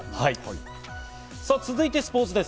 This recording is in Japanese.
続いてもスポーツです。